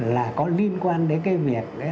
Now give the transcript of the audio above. là có liên quan đến cái việc